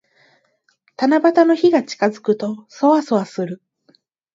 七夕の日が近づくと、そわそわする。